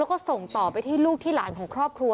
แล้วก็ส่งต่อไปที่ลูกที่หลานของครอบครัว